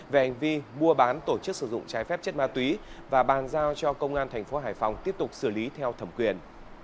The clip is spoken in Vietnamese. về hành vi mua bán tổ chức sử dụng trái phép chất ma túy và bàn giao cho công an thành phố hải phòng tiếp tục xử lý theo thẩm quyền